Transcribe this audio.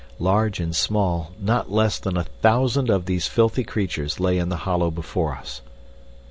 Large and small, not less than a thousand of these filthy creatures lay in the hollow before us.